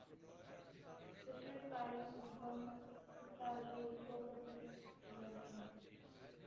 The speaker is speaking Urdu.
شجرکاری مہم تصاویر کو پسند کیا گیا